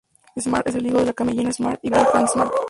Smart es el hijo de la Camellia Smart y Billy Frank Smart.